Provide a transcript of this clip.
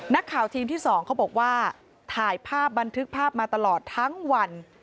ทีมข่าวทีมที่๒เขาบอกว่าถ่ายภาพบันทึกภาพมาตลอดทั้งวัน